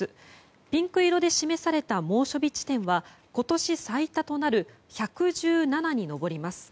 ピンク色で示された猛暑日地点は今年最多となる１１７に上ります。